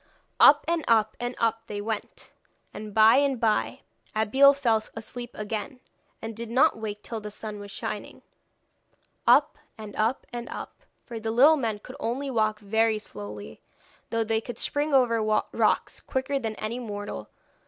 Up, and up, and up they went; and by and by Abeille fell asleep again, and did not wake till the sun was shining. Up, and up, and up, for the little men could only walk very slowly, though they could spring over rocks quicker than any mortal.